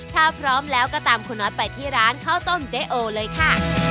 ถ้าพร้อมแล้วก็ตามคุณน้อยไปที่ร้านข้าวต้มเจ๊โอเลยค่ะ